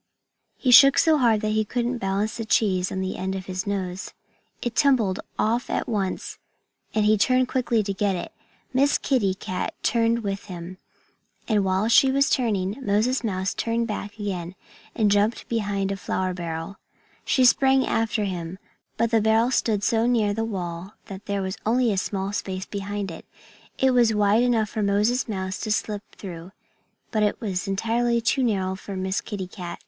He shook so hard that he couldn't balance the cheese on the end of his nose. It tumbled off at once and he turned quickly to get it. Miss Kitty Cat turned with him. And while she was turning, Moses Mouse turned back again and jumped behind a flour barrel. She sprang after him. But the barrel stood so near the wall that there was only a small space behind it. It was wide enough for Moses Mouse to slip through; but it was entirely too narrow for Miss Kitty Cat.